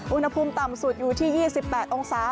อุณหภูมิต่ำสุดอยู่ที่๒๘องศา